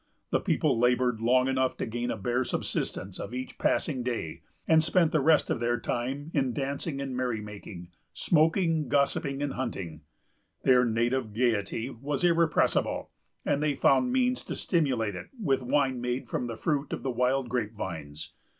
The people labored long enough to gain a bare subsistence for each passing day, and spent the rest of their time in dancing and merry making, smoking, gossiping, and hunting. Their native gayety was irrepressible, and they found means to stimulate it with wine made from the fruit of the wild grape vines.